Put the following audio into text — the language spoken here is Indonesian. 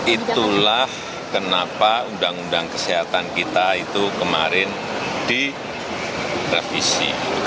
itulah kenapa undang undang kesehatan kita itu kemarin direvisi